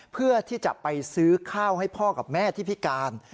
เพื่อที่จะไปซื้อข้าวให้พ่อกับแม่ที่พิการ